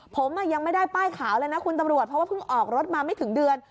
ผมยังไม่ได้ป้ายขาวเลยนะคุณตำรวจเพราะว่าเพิ่งออกรถมาไม่ถึงเดือน